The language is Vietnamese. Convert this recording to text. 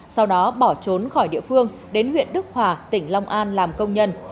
sau đó bỏ trốn khỏi địa phương đến huyện đức hòa tỉnh long an làm công nhân